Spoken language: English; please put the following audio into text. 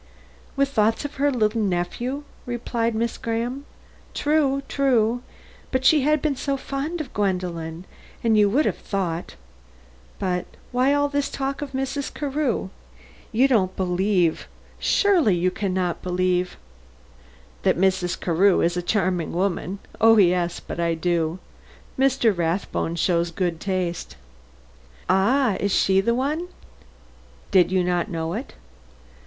"With thoughts of her little nephew?" replied Miss Graham. "True, true; but she had been so fond of Gwendolen! You would have thought But why all this talk about Mrs. Carew? You don't believe you surely can not believe " "That Mrs. Carew is a charming woman? Oh, yes, but I do. Mr. Rathbone shows good taste." "Ah, is she the one?" "Did you not know it?"